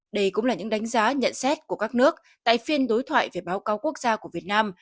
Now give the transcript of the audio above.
đây cũng là những đánh giá nhận xét của các nước tại phiên đối thoại về báo cáo quốc gia của việt nam